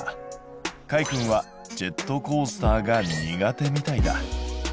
かいくんはジェットコースターが苦手みたいだ。